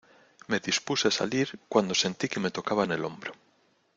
Me dispuse a salir cuando sentí que me tocaban el hombro.